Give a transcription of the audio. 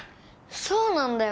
そうなんだよ。